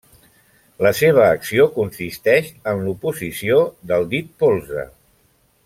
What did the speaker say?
La seva acció consisteix en l'oposició del dit polze.